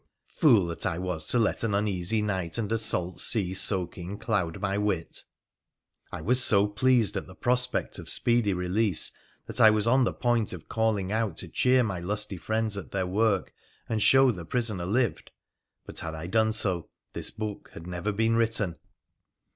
Fool that I was to let an uneasy night and a salt sea soaking cloud my wit ! I was so pleased at the prospect of speedy release that I was on the point of calling out to cheer my lusty friends at their work and show the prisoner lived. But had I done so this book had never been written